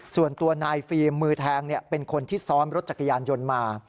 ส่วนตัวนายฟิล์มมือแทงเป็นคนที่ซ้อนรถจักรยานยนต์มา